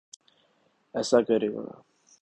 ایسا کرے گا۔